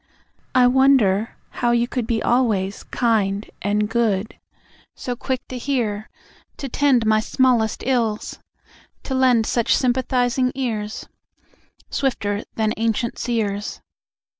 I wonder how you could Be always kind and good! So quick to hear; to tend My smallest ills; to lend Such sympathising ears Swifter than ancient seer's.